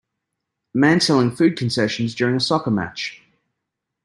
A man selling food concessions during a soccer match.